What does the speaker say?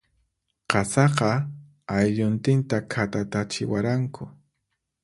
Qasaqa, aylluntinta khatatatachiwaranku.